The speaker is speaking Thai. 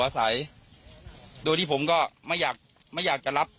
ท่านพรุ่งนี้ไม่แน่ครับ